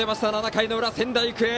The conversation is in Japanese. ７回の裏、仙台育英。